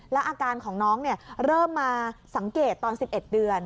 แล้วอาการของน้องเริ่มมาสังเกตตอน๑๑เดือน